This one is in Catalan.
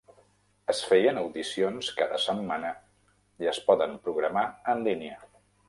Es feien audicions cada setmana i es poden programar en línia.